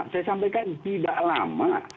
saya sampaikan tidak lama